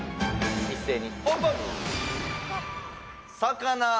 一斉にオープン！